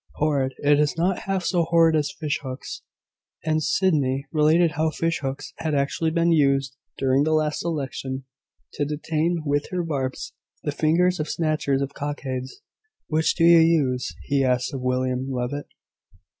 "Horrid! It is not half so horrid as fish hooks." And Sydney related how fish hooks had actually been used during the last election, to detain with their barbs the fingers of snatchers of cockades. "Which do you use?" he asked of William Levitt.